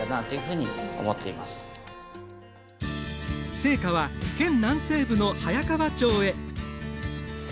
聖火は県南西部の早川町へ。